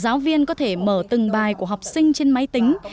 giáo viên có thể mở từng bài của học sinh trên máy tính